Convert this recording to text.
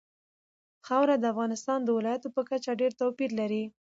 خاوره د افغانستان د ولایاتو په کچه ډېر توپیر لري.